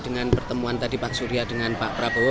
dengan pertemuan tadi pak surya dengan pak prabowo